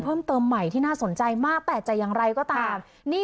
ผมก็ตกใจผมนึกว่าใครนี่